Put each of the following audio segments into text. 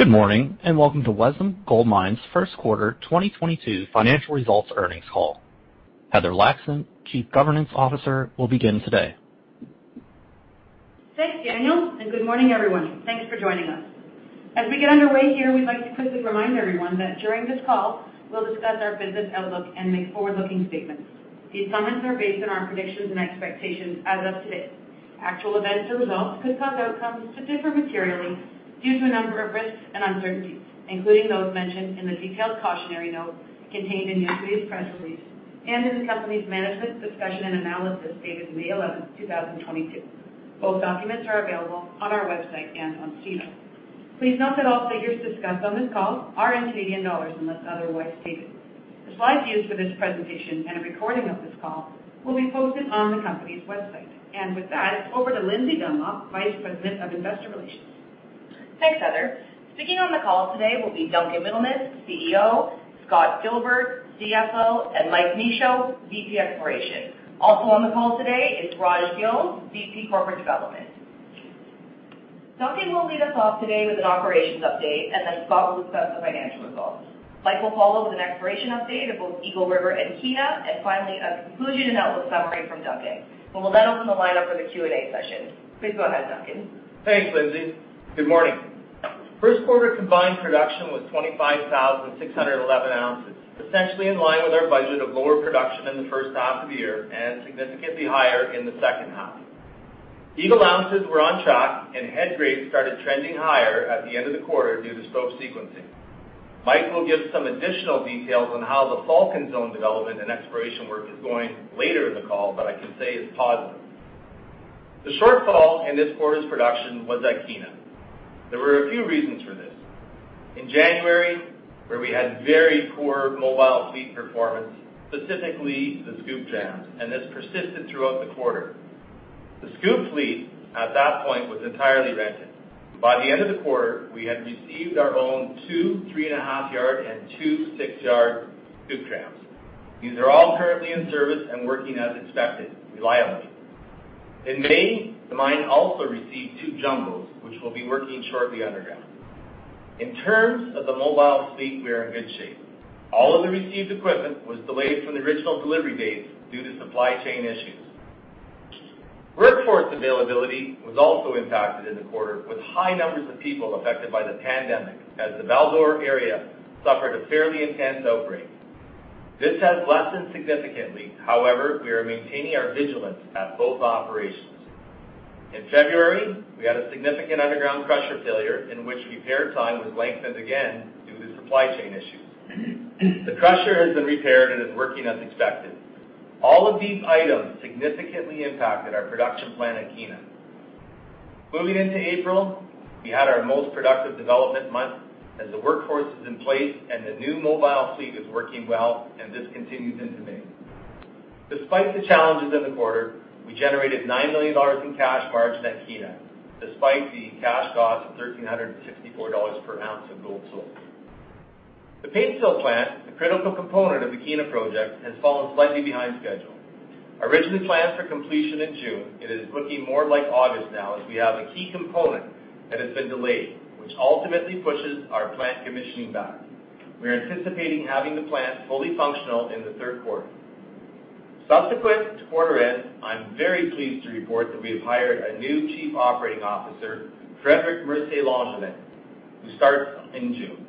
Good morning, and welcome to Wesdome Gold Mines' First Quarter 2022 Financial Results Earnings Call. Heather Laxton, Chief Governance Officer, will begin today. Thanks, Daniel, and good morning, everyone. Thanks for joining us. As we get underway here, we'd like to quickly remind everyone that during this call, we'll discuss our business outlook and make forward-looking statements. These comments are based on our predictions and expectations as of today. Actual events or results could cause outcomes to differ materially due to a number of risks and uncertainties, including those mentioned in the detailed cautionary note contained in yesterday's press release and in the company's management discussion and analysis dated May 11, 2022. Both documents are available on our website and on SEDAR. Please note that all figures discussed on this call are in Canadian dollars unless otherwise stated. The slides used for this presentation and a recording of this call will be posted on the company's website. With that, over to Lindsay Dunlop, Vice President of Investor Relations. Thanks, Heather. Speaking on the call today will be Duncan Middlemiss, CEO, Scott Gilbert, CFO, and Michael Michaud, VP Exploration. Also on the call today is Raj Gill, VP Corporate Development. Duncan will lead us off today with an operations update, and then Scott will discuss the financial results. Mike will follow with an exploration update of both Eagle River and Kiena. Finally, a conclusion and outlook summary from Duncan. We will then open the line up for the Q&A session. Please go ahead, Duncan. Thanks, Lindsay. Good morning. First quarter combined production was 25,611 ounces, essentially in line with our budget of lower production in the first half of the year and significantly higher in the second half. Eagle ounces were on track and head grades started trending higher at the end of the quarter due to stope sequencing. Mike will give some additional details on how the Falcon zone development and exploration work is going later in the call, but I can say it's positive. The shortfall in this quarter's production was at Kiena. There were a few reasons for this. In January, where we had very poor mobile fleet performance, specifically the scoop trams, and this persisted throughout the quarter. The scoop fleet at that point was entirely rented. By the end of the quarter, we had received our own two 3.5-yard and two six-yard scoop trams. These are all currently in service and working as expected, reliably. In May, the mine also received two jumbos, which will be working shortly underground. In terms of the mobile fleet, we are in good shape. All of the received equipment was delayed from the original delivery dates due to supply chain issues. Workforce availability was also impacted in the quarter with high numbers of people affected by the pandemic, as the Val-d'Or area suffered a fairly intense outbreak. This has lessened significantly. However, we are maintaining our vigilance at both operations. In February, we had a significant underground crusher failure in which repair time was lengthened again due to supply chain issues. The crusher has been repaired and is working as expected. All of these items significantly impacted our production plan at Kiena. Moving into April, we had our most productive development month as the workforce is in place and the new mobile fleet is working well, and this continues into May. Despite the challenges in the quarter, we generated 9 million dollars in cash margin at Kiena, despite the cash cost of 1,364 dollars per ounce of gold sold. The paste fill plant, a critical component of the Kiena project, has fallen slightly behind schedule. Originally planned for completion in June, it is looking more like August now as we have a key component that has been delayed, which ultimately pushes our plant commissioning back. We are anticipating having the plant fully functional in the third quarter. Subsequent to quarter end, I'm very pleased to report that we have hired a new Chief Operating Officer, Frederic Mercier-Langevin, who starts in June.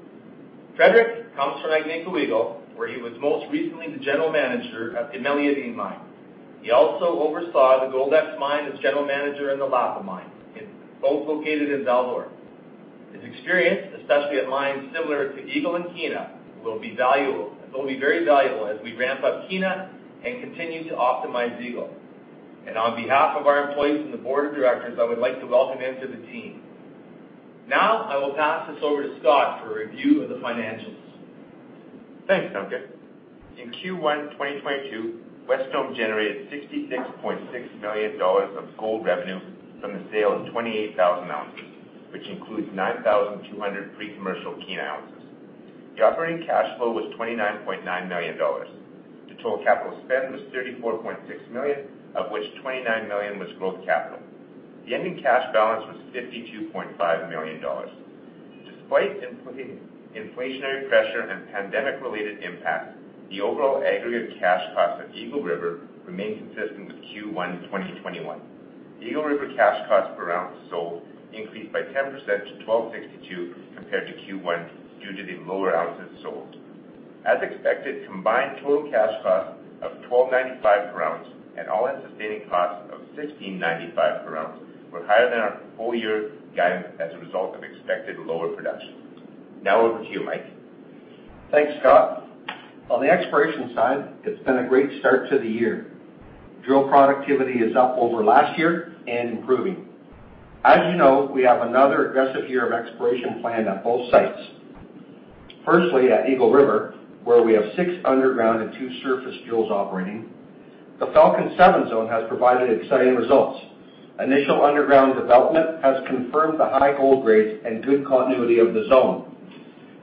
Frederic comes from Agnico Eagle, where he was most recently the general manager at the Canadian Malartic Mine. He also oversaw the Goldex Mine as general manager in the Lapa Mine, both located in Val-d'Or. His experience, especially at mines similar to Eagle and Kiena, will be very valuable as we ramp up Kiena and continue to optimize Eagle. On behalf of our employees and the board of directors, I would like to welcome him to the team. Now, I will pass this over to Scott for a review of the financials. Thanks, Duncan. In Q1 2022, Wesdome generated 66.6 million dollars of gold revenue from the sale of 28,000 ounces, which includes 9,200 pre-commercial Kiena ounces. The operating cash flow was 29.9 million dollars. The total capital spend was 34.6 million, of which 29 million was growth capital. The ending cash balance was 52.5 million dollars. Despite inflationary pressure and pandemic-related impacts, the overall aggregate cash cost of Eagle River remained consistent with Q1 2021. Eagle River cash cost per ounce sold increased by 10% to 1,262 compared to Q1 due to the lower ounces sold. As expected, combined total cash cost of CAD 1,295 per ounce and all-in sustaining costs of CAD 1,695 per ounce were higher than our full year guidance as a result of expected lower production. Now over to you, Mike. Thanks, Scott. On the exploration side, it's been a great start to the year. Drill productivity is up over last year and improving. As you know, we have another aggressive year of exploration planned at both sites. Firstly, at Eagle River, where we have six underground and two surface drills operating, the Falcon 7 zone has provided exciting results. Initial underground development has confirmed the high gold grades and good continuity of the zone,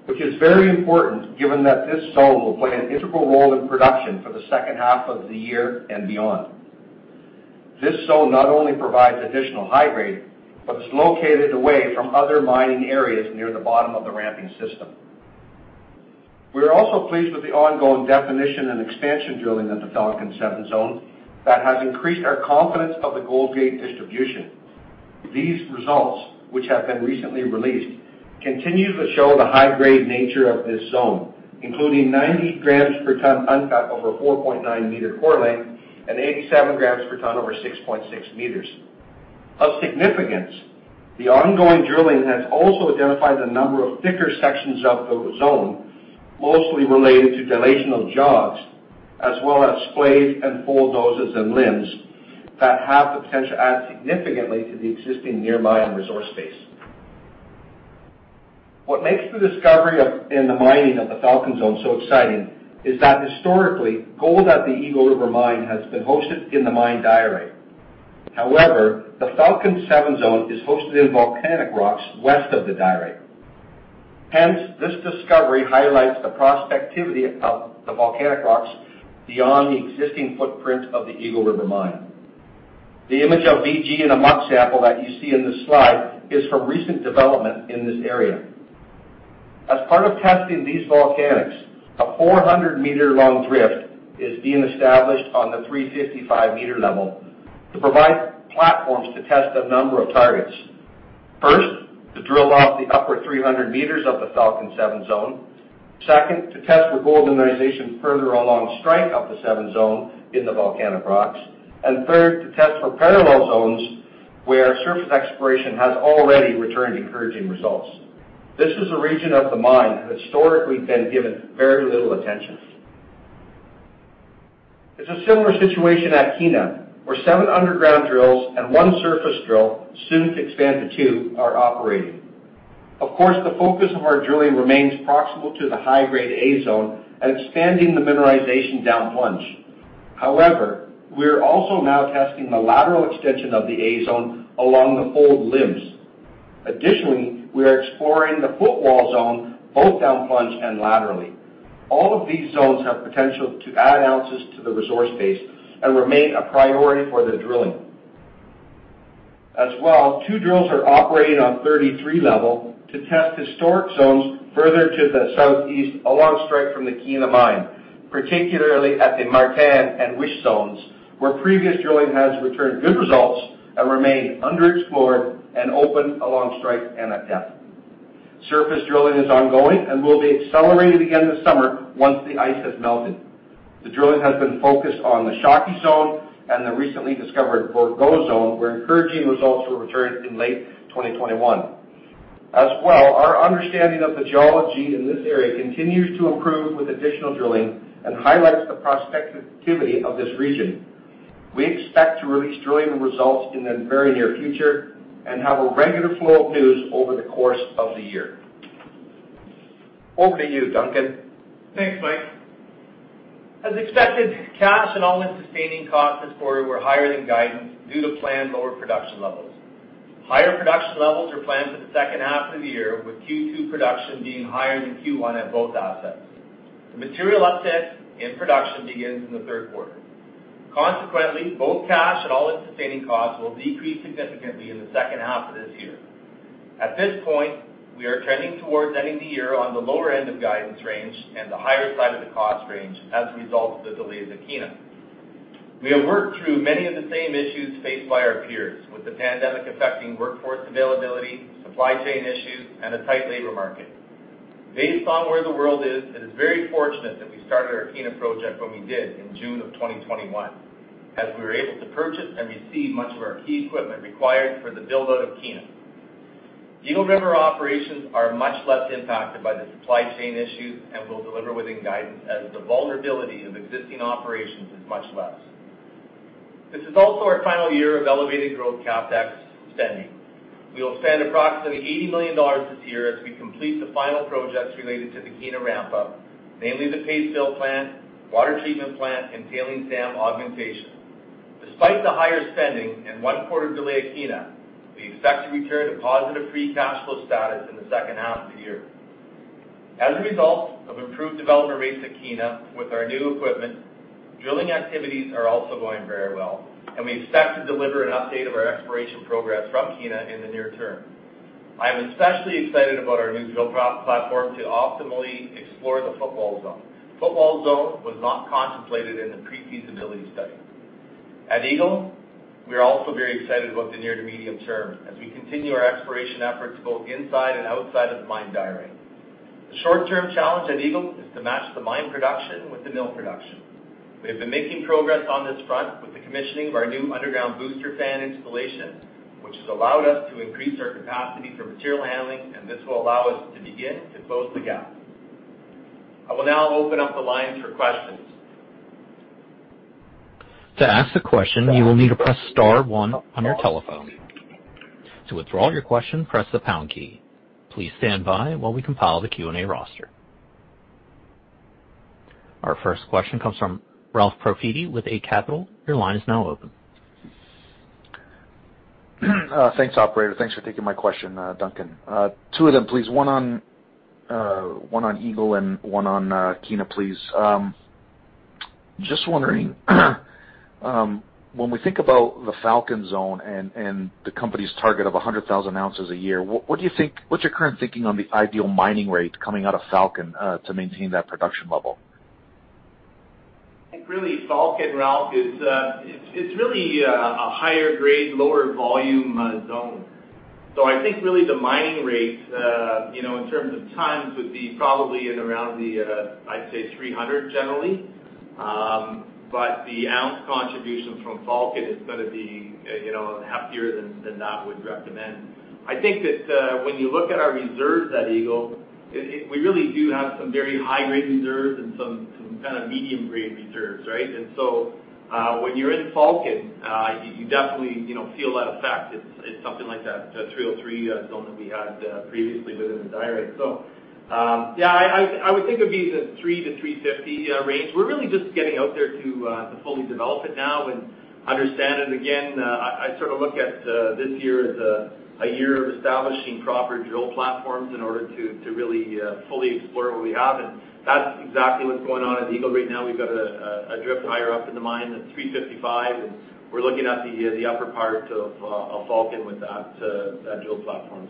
which is very important given that this zone will play an integral role in production for the second half of the year and beyond. This zone not only provides additional high grade, but it's located away from other mining areas near the bottom of the ramping system. We are also pleased with the ongoing definition and expansion drilling at the Falcon 7 zone that has increased our confidence of the gold grade distribution. These results, which have been recently released, continue to show the high grade nature of this zone, including 90 grams per ton uncut over 4.9-meter core length and 87 grams per ton over 6.6 meters. Of significance, the ongoing drilling has also identified a number of thicker sections of the zone, mostly related to dilational jogs as well as splayed and fold noses and limbs that have the potential to add significantly to the existing near mine resource base. What makes the discovery of and the mining of the Falcon zone so exciting is that historically, gold at the Eagle River Mine has been hosted in the mine diorite. However, the Falcon 7 zone is hosted in volcanic rocks west of the diorite. Hence, this discovery highlights the prospectivity of the volcanic rocks beyond the existing footprint of the Eagle River Mine. The image of VG in a muck sample that you see in this slide is from recent development in this area. As part of testing these volcanics, a 400-meter-long drift is being established on the 355-meter level to provide platforms to test a number of targets. First, to drill out the upper 300 meters of the Falcon 7 zone. Second, to test for gold mineralization further along strike of the seven zone in the volcanic rocks. Third, to test for parallel zones where surface exploration has already returned encouraging results. This is a region of the mine that historically been given very little attention. It's a similar situation at Kiena, where seven underground drills and one surface drill, soon to expand to two, are operating. Of course, the focus of our drilling remains proximal to the high-grade A Zone and expanding the mineralization down plunge. However, we are also now testing the lateral extension of the A Zone along the fold limbs. Additionally, we are exploring the Footwall Zone both down plunge and laterally. All of these zones have potential to add ounces to the resource base and remain a priority for the drilling. As well, two drills are operating on 33 level to test historic zones further to the southeast along strike from the Kiena Mine, particularly at the Martin and Wish Zone, where previous drilling has returned good results and remain underexplored and open along strike and at depth. Surface drilling is ongoing and will be accelerated again this summer once the ice has melted. The drilling has been focused on the Shaki zone and the recently discovered Burgo zone, where encouraging results were returned in late 2021. As well, our understanding of the geology in this area continues to improve with additional drilling and highlights the prospectivity of this region. We expect to release drilling results in the very near future and have a regular flow of news over the course of the year. Over to you, Duncan. Thanks, Mike. As expected, cash and all-in sustaining costs this quarter were higher than guidance due to planned lower production levels. Higher production levels are planned for the second half of the year, with Q2 production being higher than Q1 at both assets. The material uptick in production begins in the third quarter. Consequently, both cash and all-in sustaining costs will decrease significantly in the second half of this year. At this point, we are trending towards ending the year on the lower end of guidance range and the higher side of the cost range as a result of the delays at Kiena. We have worked through many of the same issues faced by our peers with the pandemic affecting workforce availability, supply chain issues, and a tight labor market. Based on where the world is, it is very fortunate that we started our Kiena project when we did in June of 2021, as we were able to purchase and receive much of our key equipment required for the build out of Kiena. Eagle River operations are much less impacted by the supply chain issues and will deliver within guidance as the vulnerability of existing operations is much less. This is also our final year of elevated growth CapEx spending. We will spend approximately 80 million dollars this year as we complete the final projects related to the Kiena ramp up, namely the paste fill plant, water treatment plant, and tailings dam augmentation. Despite the higher spending and one quarter delay at Kiena, we expect to return to positive free cash flow status in the second half of the year. As a result of improved development rates at Kiena with our new equipment, drilling activities are also going very well, and we expect to deliver an update of our exploration progress from Kiena in the near term. I am especially excited about our new drill platform to optimally explore the Footwall Zone. Footwall Zone was not contemplated in the pre-feasibility study. At Eagle, we are also very excited about the near to medium term as we continue our exploration efforts both inside and outside of the mine diorite. The short term challenge at Eagle is to match the mine production with the mill production. We have been making progress on this front with the commissioning of our new underground booster fan installation, which has allowed us to increase our capacity for material handling, and this will allow us to begin to close the gap. I will now open up the lines for questions. To ask a question, you will need to press star one on your telephone. To withdraw your question, press the pound key. Please stand by while we compile the Q&A roster. Our first question comes from Ralph Profiti with Eight Capital. Your line is now open. Thanks, Operator. Thanks for taking my question, Duncan. Two of them, please. One on Eagle and one on Kiena, please. Just wondering, when we think about the Falcon zone and the company's target of 100,000 ounces a year, what do you think? What's your current thinking on the ideal mining rate coming out of Falcon to maintain that production level? I think really Falcon, Ralph, is. It's really a higher grade, lower volume zone. I think really the mining rates, you know, in terms of tons, would be probably around 300 generally. The ounce contributions from Falcon is gonna be, you know, heftier than that would recommend. I think that when you look at our reserves at Eagle, we really do have some very high grade reserves and some kind of medium grade reserves, right? When you're in Falcon, you definitely, you know, feel that effect. It's something like that, the 303 zone that we had previously within the drift. I would think it'd be the 300-350 range. We're really just getting out there to fully develop it now and understand it. Again, I sort of look at this year as a year of establishing proper drill platforms in order to really fully explore what we have. That's exactly what's going on at Eagle right now. We've got a drift higher up in the mine, that's 355, and we're looking at the upper part of Falcon with that drill platform,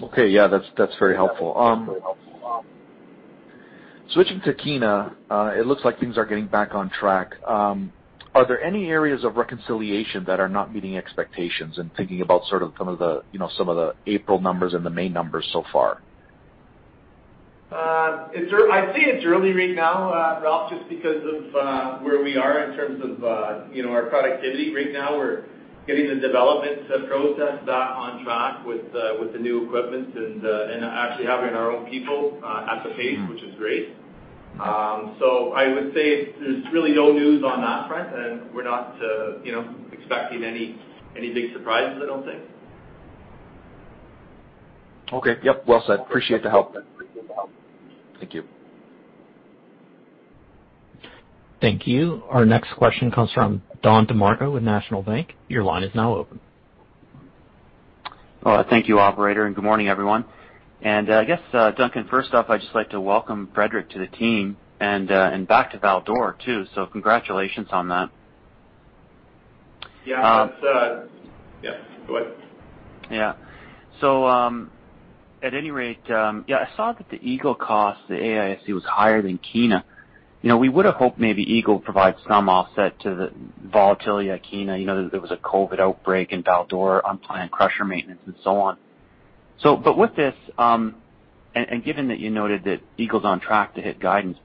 so. Okay. Yeah, that's very helpful. Switching to Kiena, it looks like things are getting back on track. Are there any areas of reconciliation that are not meeting expectations and thinking about sort of some of the, you know, some of the April numbers and the May numbers so far? I'd say it's early right now, Ralph, just because of where we are in terms of you know, our productivity. Right now, we're getting the development process back on track with the new equipment and actually having our own people at the pace, which is great. I would say there's really no news on that front, and we're not you know, expecting any big surprises, I don't think. Okay. Yep. Well said. Appreciate the help. Thank you. Thank you. Our next question comes from Don DeMarco with National Bank. Your line is now open. Thank you, operator, and good morning, everyone. I guess, Duncan, first off, I'd just like to welcome Frederick to the team and back to Val-d'Or too, so congratulations on that. Yeah. That's yes. Go ahead. At any rate, I saw that the Eagle cost, the AISC was higher than Kiena. You know, we would have hoped maybe Eagle provide some offset to the volatility at Kiena. You know, there was a COVID outbreak in Val-d'Or, unplanned crusher maintenance and so on. But with this, and given that you noted that Eagle's on track to hit guidance,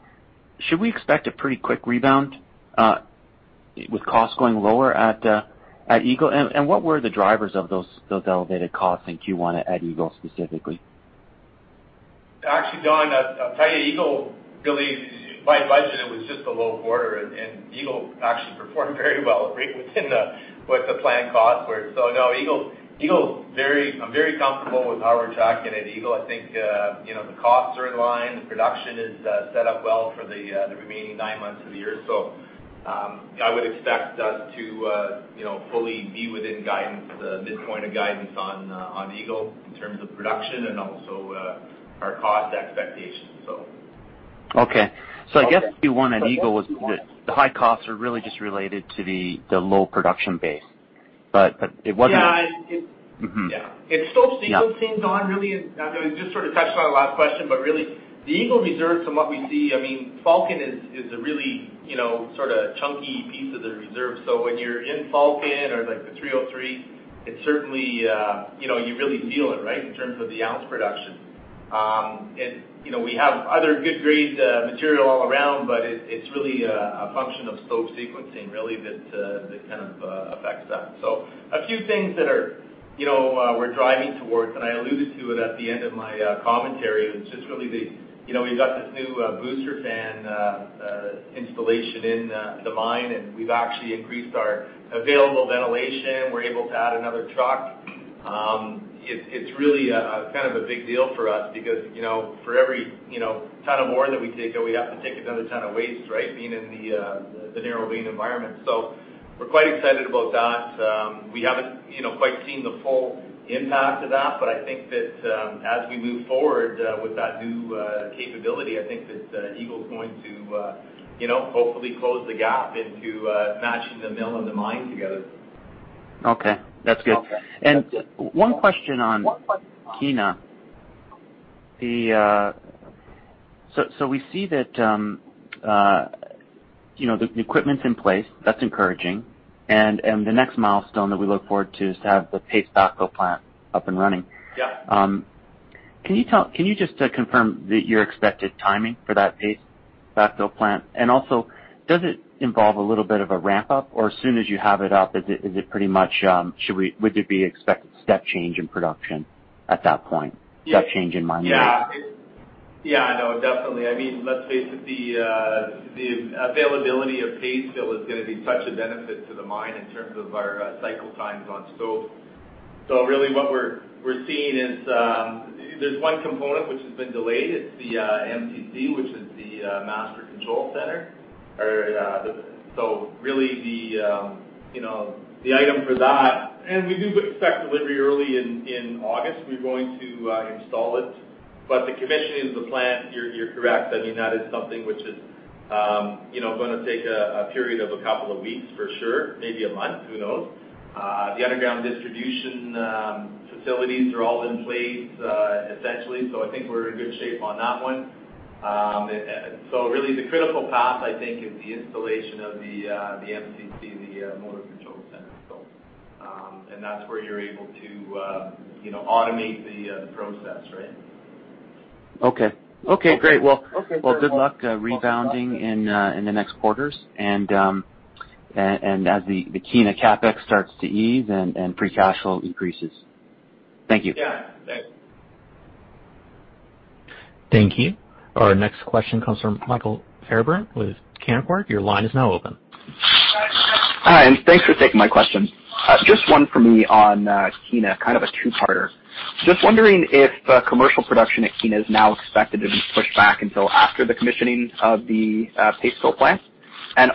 should we expect a pretty quick rebound with costs going lower at Eagle? What were the drivers of those elevated costs in Q1 at Eagle specifically? Actually, Don, I'll tell you, Eagle really, if I budget, it was just below quarter, and Eagle actually performed very well, right, within, with the planned costs. So no, Eagle, I'm very comfortable with how we're tracking at Eagle. I think, you know, the costs are in line. The production is set up well for the remaining nine months of the year. So, I would expect us to, you know, fully be within guidance, the midpoint of guidance on Eagle in terms of production and also our cost expectations, so. Okay. I guess Q1 at Eagle was the high costs are really just related to the low production base. But it wasn't. Yeah. Mm-hmm. Yeah. It's still sequencing, Don, really. I know we just sort of touched on it last question, but really, the Eagle reserves from what we see, I mean, Falcon is a really, you know, sort of chunky piece of the reserve. When you're in Falcon or, like, the 303, it's certainly, you know, you really feel it, right, in terms of the ounce production. You know, we have other good grade material all around, but it's really a function of stope sequencing really that kind of affects that. A few things that are, you know, we're driving towards, and I alluded to it at the end of my commentary, it's just really the. You know, we've got this new booster fan installation in the mine, and we've actually increased our available ventilation. We're able to add another truck. It's really kind of a big deal for us because, you know, for every, you know, ton of ore that we take out, we have to take another ton of waste, right, being in the narrow vein environment. We're quite excited about that. We haven't, you know, quite seen the full impact of that, but I think that, as we move forward, with that new capability, I think that, Eagle's going to, you know, hopefully close the gap into matching the mill and the mine together. Okay. That's good. One question on Kiena. So we see that, you know, the equipment's in place. That's encouraging. The next milestone that we look forward to is to have the paste backfill plant up and running. Yeah. Can you just confirm your expected timing for that paste backfill plant? And also, does it involve a little bit of a ramp-up, or as soon as you have it up, is it pretty much would there be expected step change in production at that point? Step change in mining rate? Yeah. Yeah. No, definitely. I mean, let's face it, the availability of paste still is gonna be such a benefit to the mine in terms of our cycle times on stopes. So really what we're seeing is, there's one component which has been delayed. It's the MCC, which is the motor control center. So really, you know, the item for that, and we do expect delivery early in August. We're going to install it. But the commissioning of the plant, you're correct. I mean, that is something which is, you know, gonna take a period of a couple of weeks for sure, maybe a month, who knows? The underground distribution facilities are all in place, essentially, so I think we're in good shape on that one. Really the critical path, I think, is the installation of the MCC, the motor control center. That's where you're able to, you know, automate the process, right? Okay. Okay, great. Okay. Well, good luck rebounding in the next quarters and as the Kiena CapEx starts to ease and free cash flow increases. Thank you. Yeah, thanks. Thank you. Our next question comes from Michael Fairbairn with Canaccord. Your line is now open. Hi, and thanks for taking my question. Just one for me on Kiena, kind of a two-parter. Just wondering if commercial production at Kiena is now expected to be pushed back until after the commissioning of the paste fill plant.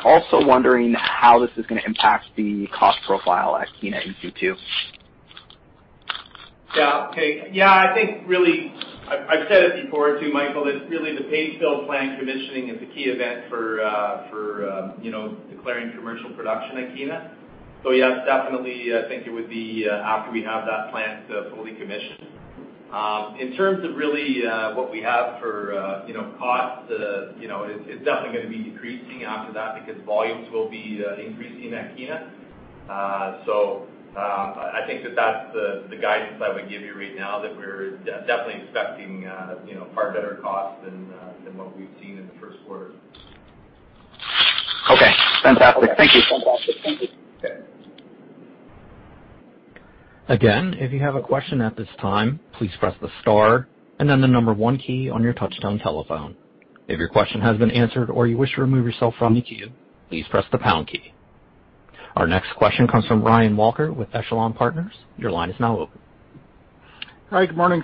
Also wondering how this is gonna impact the cost profile at Kiena in Q2. Yeah. Okay. Yeah, I think really I've said it before too, Michael, it's really the paste fill plant commissioning is the key event for you know declaring commercial production at Kiena. Yes, definitely, I think it would be after we have that plant fully commissioned. In terms of really what we have for you know costs you know it's definitely gonna be decreasing after that because volumes will be increasing at Kiena. I think that that's the guidance I would give you right now, that we're definitely expecting you know far better costs than what we've seen in the first quarter. Okay. Fantastic. Thank you. Again, if you have a question at this time, please press the star and then the number one key on your touchtone telephone. If your question has been answered or you wish to remove yourself from the queue, please press the pound key. Our next question comes from Ryan Walker with Echelon Wealth Partners. Your line is now open. Hi, good morning.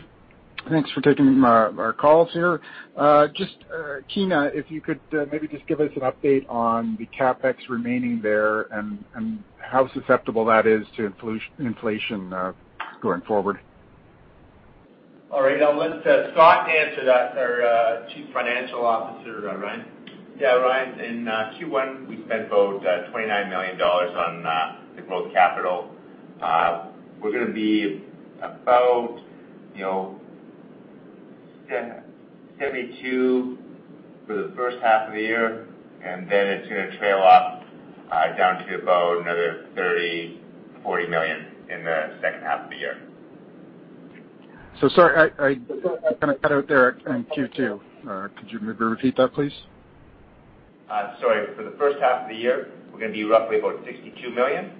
Thanks for taking my, our calls here. Just Kiena, if you could maybe just give us an update on the CapEx remaining there and how susceptible that is to inflation going forward. All right. I'll let Scott answer that, our Chief Financial Officer, Ryan. Yeah, Ryan, in Q1, we spent about 29 million dollars on the growth capital. We're gonna be about 72 million for the first half of the year, and then it's gonna trail off down to about another 30 million-40 million in the second half of the year. Sorry, I kind of cut out there on Q2. Could you maybe repeat that, please? For the first half of the year, we're gonna be roughly about 62 million.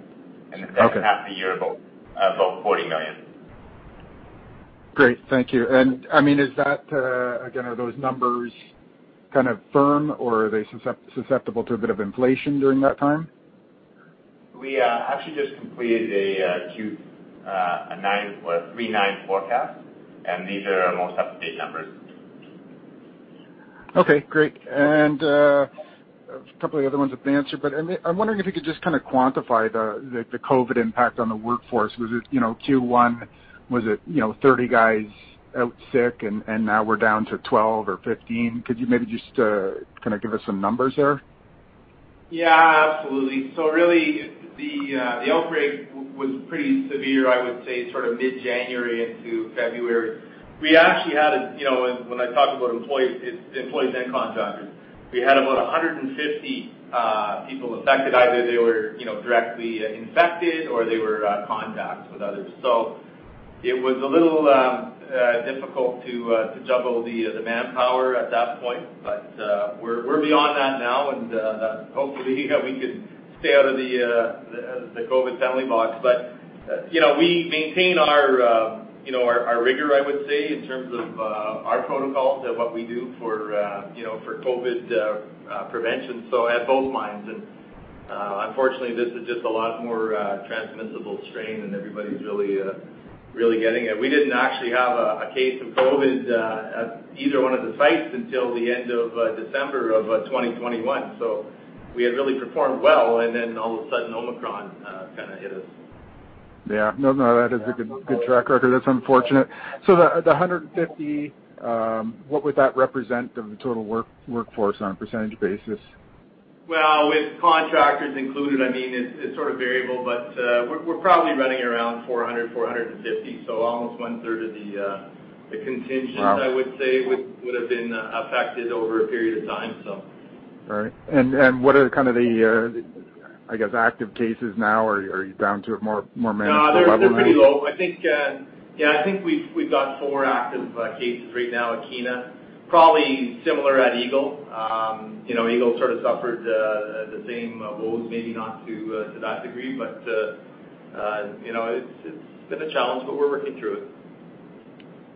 Okay. The second half of the year, about 40 million. Great. Thank you. I mean, is that, again, are those numbers kind of firm, or are they susceptible to a bit of inflation during that time? We actually just completed a Q3 forecast, and these are our most up-to-date numbers. Okay, great. A couple of other ones have been answered, but I'm wondering if you could just kind of quantify the COVID impact on the workforce. Was it Q1? Was it, you know, 30 guys out sick and now we're down to 12 or 15? Could you maybe just kind of give us some numbers there? Yeah, absolutely. Really the outbreak was pretty severe, I would say, sort of mid-January into February. We actually had, you know, and when I talk about employees, it's employees and contractors. We had about 150 people affected. Either they were, you know, directly infected or they were contacts with others. It was a little difficult to juggle the manpower at that point. We're beyond that now and hopefully we can stay out of the COVID family box. You know, we maintain our rigor, I would say, in terms of our protocols and what we do for COVID prevention, so at both mines. Unfortunately, this is just a lot more transmissible strain and everybody's really getting it. We didn't actually have a case of COVID at either one of the sites until the end of December of 2021. We had really performed well, and then all of a sudden, Omicron kind of hit us. Yeah. No, that is a good track record. That's unfortunate. The 150, what would that represent of the total workforce on a percentage basis? Well, with contractors included, I mean, it's sort of variable, but we're probably running around 400-450. Almost one-third of the contingent. Wow. I would say would have been affected over a period of time, so. All right. What are kind of the, I guess, active cases now, or are you down to a more manageable level now? No, they're pretty low. I think, yeah, I think we've got four active cases right now at Kiena. Probably similar at Eagle. You know, Eagle sort of suffered the same woes, maybe not to that degree. You know, it's been a challenge, but we're working through it.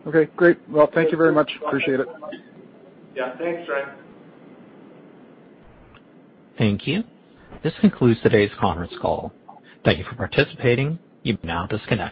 Okay, great. Well, thank you very much. Appreciate it. Yeah, thanks, Ryan. Thank you. This concludes today's conference call. Thank you for participating. You may now disconnect.